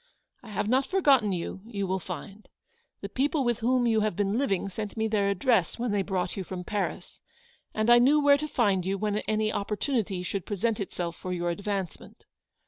I have not forgotten you, you will find. The people with whom you have been living sent me their address when iheT brought you from Paris, and I knew where tc< find you when any opportunity should present itself for your advancement.